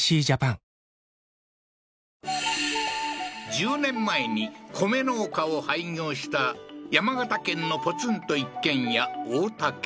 １０年前に米農家を廃業した山形県のポツンと一軒家太田家